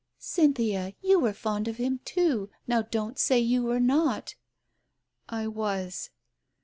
"Cynthia, you were fond of him, too — now don't say you were not !" "I was."